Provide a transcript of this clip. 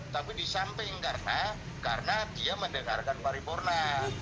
tapi di samping karena dia mendengarkan paripurna